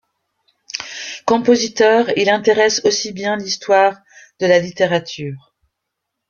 Compositeur, il est intéresse aussi bien l'histoire de la littérature.